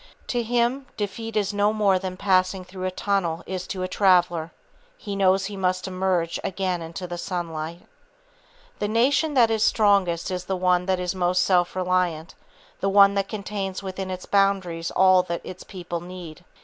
To him, defeat is no more than passing through a tunnel is to a traveller, he knows he must emerge again into the sunlight. The nation that is strongest is the one that is most self reliant, the one that contains within its boundaries all that its people need.